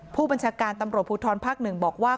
ผู้บัญชาการตำรวจภูทรภักดิ์หนึ่งบอกว่า